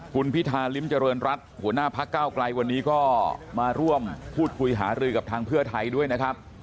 คุณพิธาริมเจริญรัฐหัวหน้าพักเก้าไกลวันนี้ก็มาร่วมพูดคุยหารือกับทางเพื่อไทยด้วยนะครับ